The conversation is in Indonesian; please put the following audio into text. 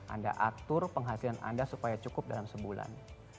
anda atur penghasilan anda supaya cukup dalam sebulan